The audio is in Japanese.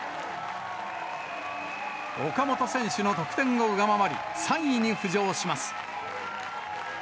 岡本選手の得点を上回り３位に浮上します。